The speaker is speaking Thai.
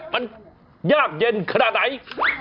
มันยากเย็นขนาดไหน